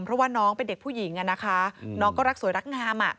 เพราะว่าน้องเป็นเด็กผู้หญิงนะคะน้องก็รักสวยรักงาม